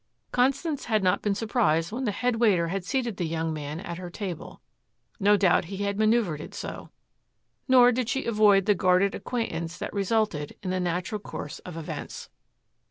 Constance had not been surprised when the head waiter had seated the young man at her table. No doubt he had manoeuvred it so. Nor did she avoid the guarded acquaintance that resulted in the natural course of events.